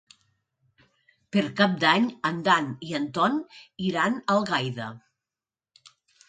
Per Cap d'Any en Dan i en Ton iran a Algaida.